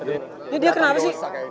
ini dia kenapa sih